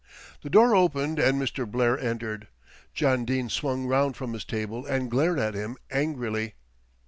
The door opened and Mr. Blair entered. John Dene swung round from his table and glared at him angrily.